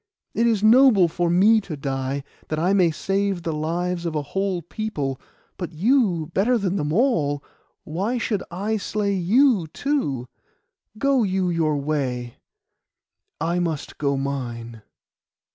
It is noble for me to die, that I may save the lives of a whole people; but you, better than them all, why should I slay you too? Go you your way; I must go mine.